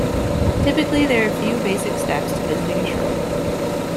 Typically there are a few basic steps to visiting a shrine.